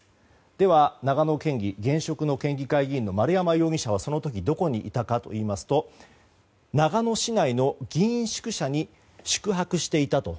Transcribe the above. では、長野県議現職の県議会議員の丸山容疑者はその時どこにいたかといいますと長野市内の議員宿舎に宿泊していたと。